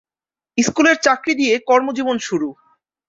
স্কুলের চাকরি দিয়ে কর্মজীবন শুরু।